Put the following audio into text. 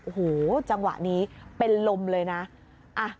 โอ้โหจังหวะนี้เป็นลมเลยนะ